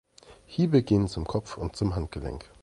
Hiebe gehen zum Kopf und zum Handgelenk.